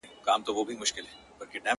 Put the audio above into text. o په توره شپه کي د رڼا د کاروان لاري څارم,